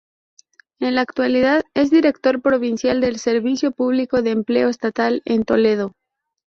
En la actualidad, es director provincial del Servicio Público de Empleo Estatal en Toledo.